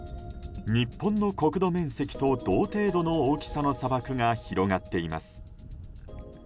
日本の国土面積と同程度の大きさの砂漠が広がっています。